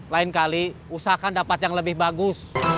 lain kali usahakan dapat yang lebih bagus